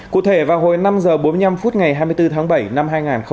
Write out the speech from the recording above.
cụ thể vào hồi năm h bốn mươi năm phút ngày hai mươi bốn tháng bảy năm hai nghìn hai mươi